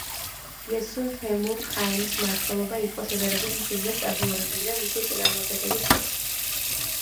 იესუნ თემურ-ყაენის მმართველობა იყო შედარებით მშვიდი და სტაბილური, ვიდრე მისი წინამორბედების დროს.